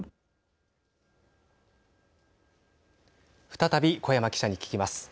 再び、古山記者に聞きます。